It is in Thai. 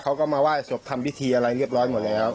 เขาก็มาไหว้ศพทำพิธีอะไรเรียบร้อยหมดแล้ว